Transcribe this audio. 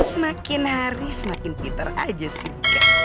semakin hari semakin peter aja sih